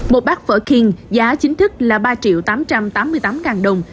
một bát phở king giá chính thức là ba triệu tám trăm tám mươi tám ngàn đồng